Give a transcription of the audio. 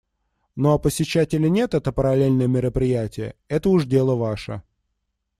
Ну а посещать или нет это параллельное мероприятие — это уж дело ваше.